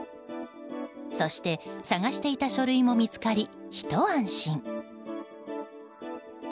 そして探していた書類も見つかりひと安心。